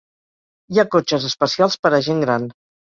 Hi ha cotxes especials per a gent gran.